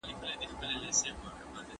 د ټولنو مرګ او ژوند حتمي دی.